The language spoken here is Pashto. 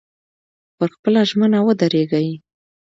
پر خپله ژمنه ودرېږئ.